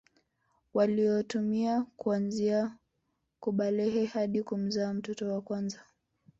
Waliotumia kuanzia kubalehe hadi kumzaa mtoto wa kwanza